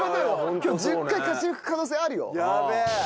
今日１０回勝ち抜く可能性あるよ。